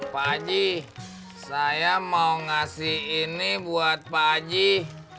pajih saya mau ngasih ini buat pajih